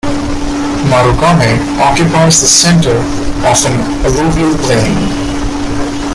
Marugame occupies the centre of an alluvial plain.